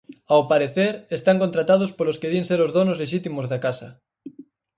Ao parecer, están contratados polos que din ser os donos lexítimos da casa.